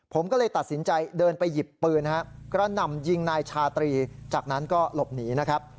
ผมก็เลยตัดสินใจเดินไปหยิบปืนกระหน่ำยิงนายชาตรีจากนั้นก็หลบหนีนะครับ